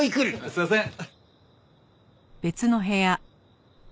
すいません。